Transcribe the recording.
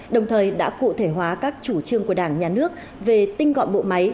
đồng thời đã cụ thể hóa các chủ trương của đảng nhà nước về tinh gọn bộ máy